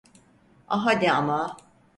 Ah, hadi ama.